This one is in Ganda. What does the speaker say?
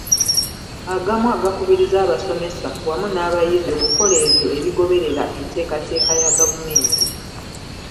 Agamu agakubiriza abasomesa wamu n’abayizi okukola ebyo ebigoberera enteekateeka ya gavumenti.